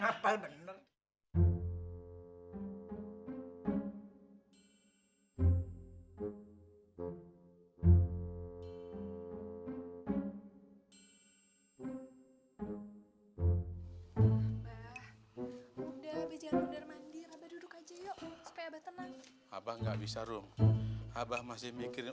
udah abah jangan udar mandi duduk aja yuk supaya tenang abah nggak bisa rum abah masih mikirin